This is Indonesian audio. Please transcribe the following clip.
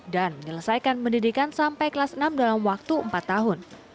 dan menyelesaikan pendidikan sampai kelas enam dalam waktu empat tahun